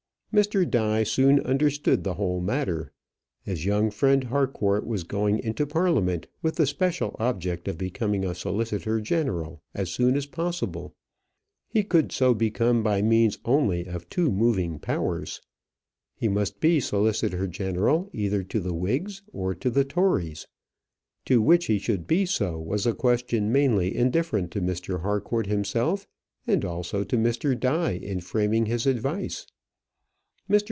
Mr. Die soon understood the whole matter. His young friend Harcourt was going into Parliament with the special object of becoming a solicitor general as soon as possible. He could so become by means only of two moving powers. He must be solicitor general either to the Whigs or to the Tories. To which he should be so was a question mainly indifferent to Mr. Harcourt himself, and also to Mr. Die in framing his advice.